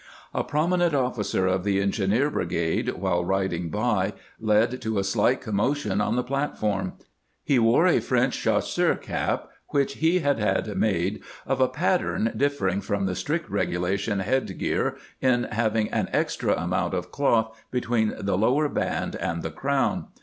A prominent officer of the engineer brigade, while riding by, led to a slight commotion on the platform. He wore a French chasseur cap, which he had had made of a pattern differing from the strict regulation head gear in having an extra amount of cloth between the lower band and the crown.